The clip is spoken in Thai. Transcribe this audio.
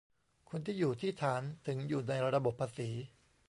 คนที่อยู่ที่ฐาน ถึงอยู่ในระบบภาษี